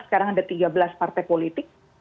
sekarang ada tiga belas partai politik